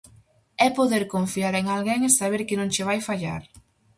É poder confiar en alguén e saber que non che vai fallar.